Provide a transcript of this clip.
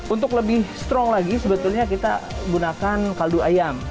untuk lebih strong lagi sebetulnya kita gunakan kaldu ayam